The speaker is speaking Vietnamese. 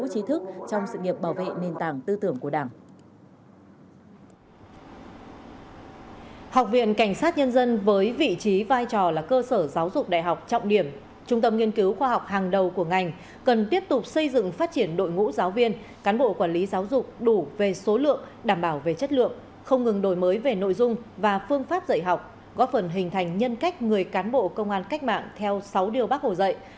học viện cảnh sát nhân dân với vị trí vai trò là cơ sở giáo dục đại học trọng điểm trung tâm nghiên cứu khoa học hàng đầu của ngành cần tiếp tục xây dựng phát triển đội ngũ giáo viên cán bộ quản lý giáo dục đủ về số lượng đảm bảo về chất lượng không ngừng đổi mới về nội dung và phương pháp dạy học góp phần hình thành nhân cách người cán bộ công an cách mạng theo sáu điều bác hồ dạy